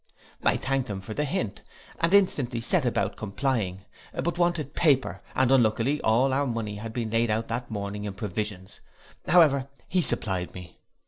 I thank'd him for the hint, and instantly set about complying; but I wanted paper, and unluckily all our money had been laid out that morning in provisions; however he supplied me.